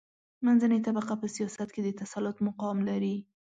منځنۍ طبقه په سیاست کې د تسلط مقام لري.